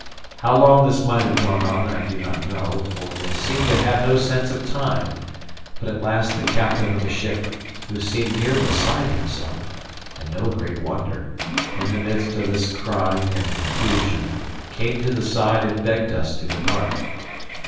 How long this might have gone on I do not know, for they seemed to have no sense of time: but at last the captain of the ship, who seemed near beside himself (and no great wonder) in the midst of this crying and confusion, came to the side and begged us to depart.